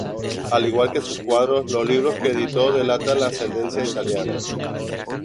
Al igual que sus cuadros, los libros que editó delatan la ascendencia italiana.